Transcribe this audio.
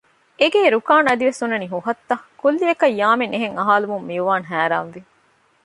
އެގޭ ރުކާން އަދިވެސް ހުންނަނީ ހުހަށްތަ؟ ކުއްލިއަކަށް ޔާމިން އެހެން އަހާލުމުން މިއުވާން ހައިރާންވި